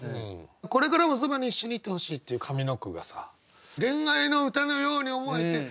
「これからも傍に一緒に居て欲しい」っていう上の句がさ恋愛の歌のように思えて。